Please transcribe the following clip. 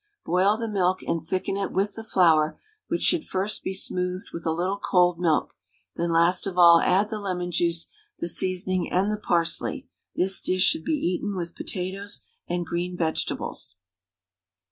Boil the milk and thicken it with the flour, which should first be smoothed with a little cold milk, then last of all add the lemon juice, the seasoning, and the parsley. This dish should be eaten with potatoes and green vegetables.